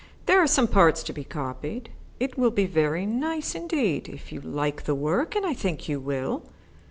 "There are some parts to be copied. It will be very nice indeed if you like the work, and I think you will."